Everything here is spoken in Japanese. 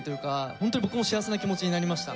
本当に僕も幸せな気持ちになりました。